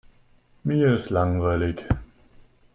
Mir ist langweilig.